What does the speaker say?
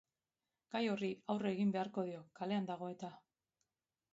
Gai horri aurre egin beharko dio, kalean dago eta.